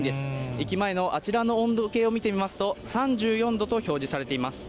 駅前のあちらの温度計を見てみますと、３４度と表示されています。